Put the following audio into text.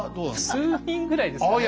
数人ぐらいですかね。